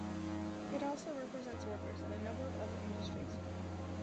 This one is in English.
It also represents workers in a number of other industries.